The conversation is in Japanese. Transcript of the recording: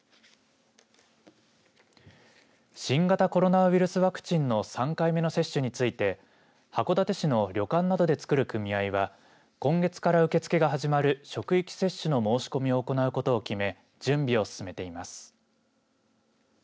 新型コロナウイルスワクチンの３回目の接種について函館市の旅館などで作る組合は今月から受け付けが始まる職域接種の申し込みを行うことを決め準備を進めています。